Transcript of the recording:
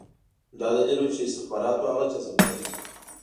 همدا دلیل و چې استخباراتو هغه جذب کړی و